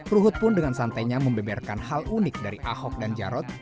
ruhut pun dengan santainya membeberkan hal unik dari ahok dan jarot